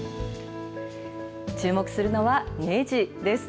注目するのは、ねじです。